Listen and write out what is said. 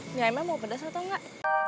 ini mau pedas atau enggak